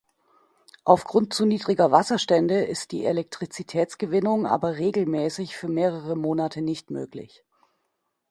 Aufgrund zu niedriger Wasserstände ist die Elektrizitätsgewinnung aber regelmäßig für mehrere Monate nicht möglich.